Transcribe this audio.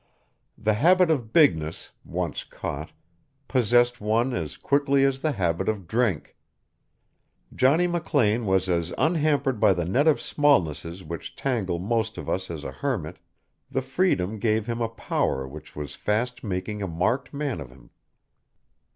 The habit of bigness, once caught, possesses one as quickly as the habit of drink; Johnny McLean was as unhampered by the net of smallnesses which tangle most of us as a hermit; the freedom gave him a power which was fast making a marked man of him.